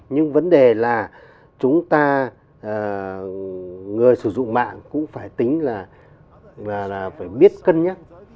nhưng vấn đề là chúng ta người sử dụng mạng cũng phải tính là phải biết cân nhắc